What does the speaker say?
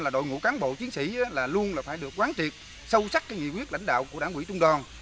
một trăm linh đội ngũ cán bộ chiến sĩ luôn phải được quán triệt sâu sắc nghị quyết lãnh đạo của đảng quỹ trung đoàn